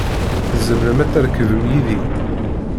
Tzemrem ad trekbem yid-i.